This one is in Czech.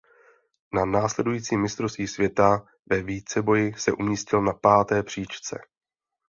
Na následujícím Mistrovství světa ve víceboji se umístil na páté příčce.